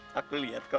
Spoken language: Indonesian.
yang mulut kami